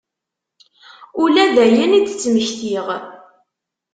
Ula dayen i d-ttmektiɣ.